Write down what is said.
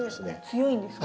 強いんですね。